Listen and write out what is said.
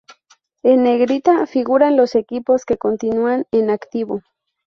En negrita figuran los equipos que continúan en activo.